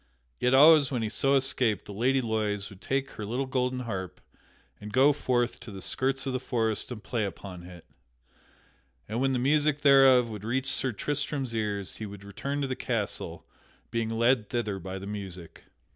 Yet always when he so escaped the Lady Loise would take her little golden harp and go forth to the skirts of the forest and play upon it, and when the music thereof would reach Sir Tristram's ears he would return to the castle, being led thither by the music.